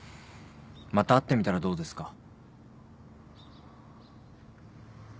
また会ってみたらどうですか？